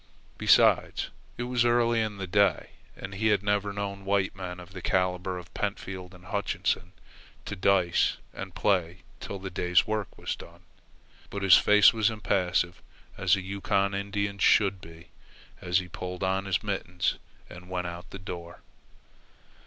Besides, it was early in the day, and he had never known white men of the calibre of Pentfield and Hutchinson to dice and play till the day's work was done. But his face was impassive as a Yukon Indian's should be, as he pulled on his mittens and went out the door.